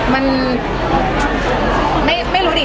มันไม่รู้ดิ